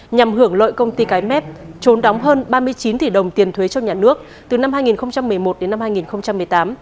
nhằm hưởng lợi công ty cái mép trốn đóng hơn ba mươi chín tỷ đồng tiền thuế trong nhà nước từ năm hai nghìn một mươi một đến năm hai nghìn một mươi tám